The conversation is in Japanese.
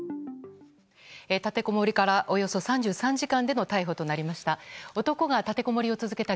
立てこもりからおよそ３３時間での逮捕となりました。